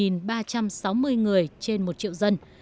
một ba trăm sáu mươi người trên một triệu dân